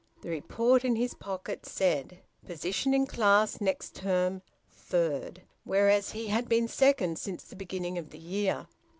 The report in his pocket said: "Position in class next term: third;" whereas he had been second since the beginning of the year.